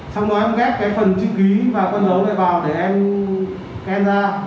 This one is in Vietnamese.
xong đó em ghép cái phần chữ ký và con dấu lại vào để em scan ra đúng không